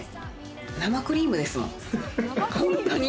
生クリームですもん、本当に。